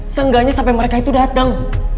seenggaknya sampai mereka itu datang